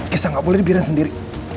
kesa gak boleh dibiarin sendiri